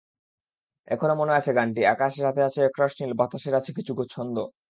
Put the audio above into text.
এখনো মনে আছে গানটি—আকাশের হাতে আছে একরাশ নীল, বাতাসের আছে কিছু ছন্দ।